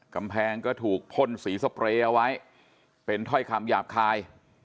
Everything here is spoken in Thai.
กำแพงก็ถูกพ่นสีสเปรย์เอาไว้เป็นถ้อยคำหยาบคาย